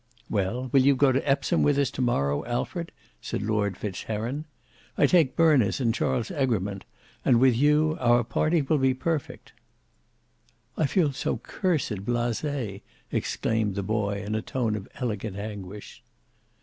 "Well, will you go to Epsom with us to morrow, Alfred?" said Lord Fitzheron. "I take Berners and Charles Egremont, and with you our party will be perfect." "I feel so cursed blase!" exclaimed the boy in a tone of elegant anguish.